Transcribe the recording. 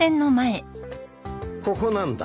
ここなんだ。